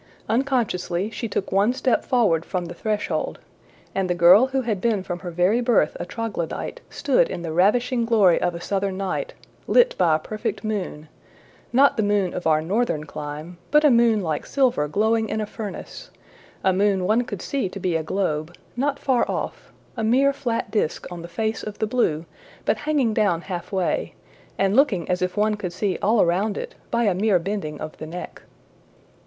Unconsciously, she took one step forward from the threshold, and the girl who had been from her very birth a troglodyte stood in the ravishing glory of a southern night, lit by a perfect moon not the moon of our northern clime, but a moon like silver glowing in a furnace a moon one could see to be a globe not far off, a mere flat disk on the face of the blue, but hanging down halfway, and looking as if one could see all around it by a mere bending of the neck.